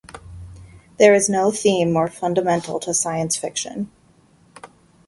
There is no theme more fundamental to science fiction.